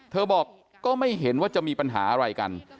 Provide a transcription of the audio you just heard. บอกก็ไม่เห็นว่าจะมีปัญหาอะไรกัน